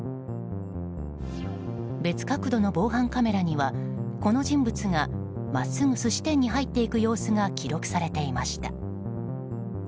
別角度の防犯カメラにはこの人物が真っすぐ寿司店に入っていく様子が記録されていました。